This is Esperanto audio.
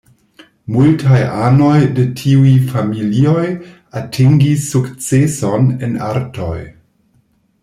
Multaj anoj de tiuj familioj atingis sukceson en artoj.